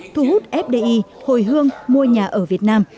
thu hút fdi hồi hương mua nhà ở việt nam